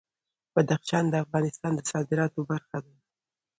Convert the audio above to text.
بدخشان د افغانستان د صادراتو برخه ده.